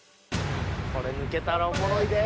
これ抜けたらおもろいで。